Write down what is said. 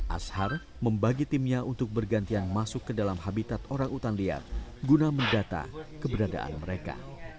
ashar membagi timnya untuk bergantian masuk ke dalam habitat orang utan liar guna mendata keberadaan mereka